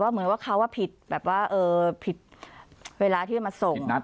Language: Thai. เหมือนว่าเขาว่าผิดเวลาที่มาส่ง